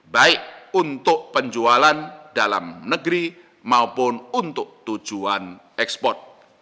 baik untuk penjualan dalam negeri maupun untuk tujuan ekspor